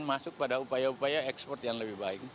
masuk pada upaya upaya ekspor yang lebih baik